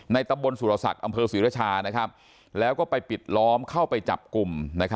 ตำบลสุรศักดิ์อำเภอศรีรชาแล้วก็ไปปิดล้อมเข้าไปจับกลุ่ม